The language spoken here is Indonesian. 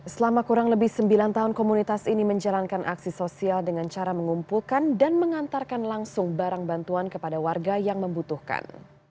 selama kurang lebih sembilan tahun komunitas ini menjalankan aksi sosial dengan cara mengumpulkan dan mengantarkan langsung barang bantuan kepada warga yang membutuhkan